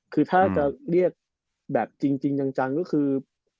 คือถ้าจะเรียกแบบจริงจังก็คือ